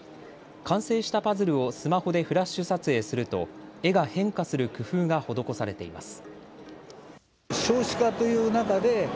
完成したパズルをスマホでフラッシュ撮影すると絵が変化する工夫が施されています。